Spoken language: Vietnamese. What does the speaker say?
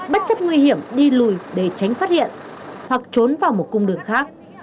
bất chấp nguy hiểm đi lùi để tránh phát hiện hoặc trốn vào một cung đường khác